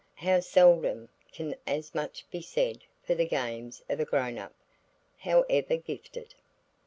How seldom can as much be said for the games of a grown up, however gifted!